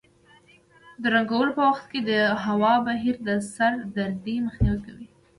د رنګولو په وخت کې د هوا بهیر د سر دردۍ مخنیوی کوي.